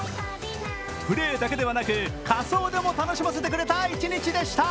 プレーだけではなく仮装でも楽しませてくれた一日でした。